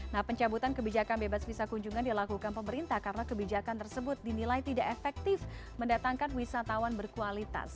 nah pencabutan kebijakan bebas visa kunjungan dilakukan pemerintah karena kebijakan tersebut dinilai tidak efektif mendatangkan wisatawan berkualitas